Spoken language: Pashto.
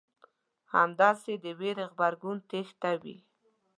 همداسې د وېرې غبرګون تېښته وي.